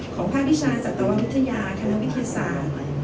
ภาควิชาสัตววิทยาคณะวิทยาศาสตร์